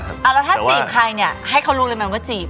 เอาแล้วถ้าจีบใครเนี่ยให้เขารู้เลยมันก็จีบ